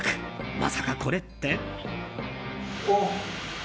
まさかこれって？